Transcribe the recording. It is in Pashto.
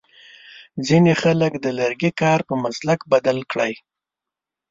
ځینې خلک د لرګي کار په مسلک بدل کړی.